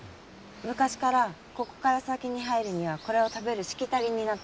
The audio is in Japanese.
昔からここから先に入るにはこれを食べるしきたりになっているんです。